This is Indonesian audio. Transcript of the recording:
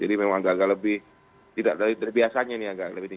jadi memang agak agak lebih tidak dari biasanya ini agak lebih